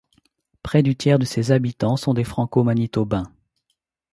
Plus du tiers de ses habitants sont des Franco-manitobains.